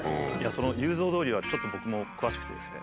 その「雄三通り」はちょっと僕も詳しくてですね。